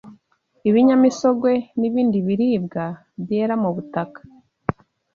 ibinyamisogwe, n’ibindi biribwa byera mu butaka.